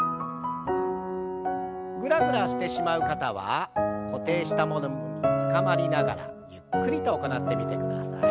ぐらぐらしてしまう方は固定したものにつかまりながらゆっくりと行ってみてください。